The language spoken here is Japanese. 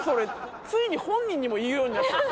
ついに本人にも言うようになっちゃって。